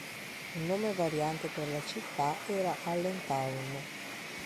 Un nome variante per la città era Allentown.